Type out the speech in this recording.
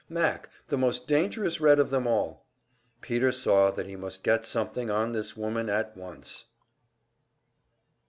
Mac, the most dangerous Red of them all! Peter saw that he must get something on this woman at once!